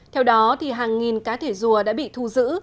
theo đó hàng nghìn cá thể rùa đã bị thu giữ